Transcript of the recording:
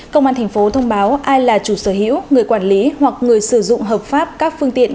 công an thành phố thông báo ai là chủ sở hữu người quản lý hoặc người sử dụng hợp pháp các phương tiện